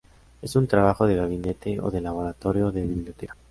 Es un trabajo de gabinete o de laboratorio o de biblioteca.